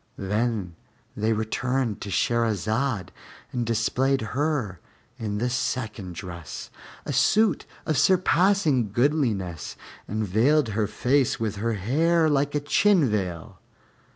Then they returned to Shahrazad and displayed her in the second dress, a suit of surpassing goodliness, and veiled her face with her hair like a chin veil.